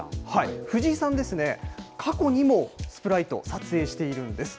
藤井さんですね、過去にもスプライトを撮影しているんです。